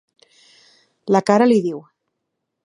La cara li diu.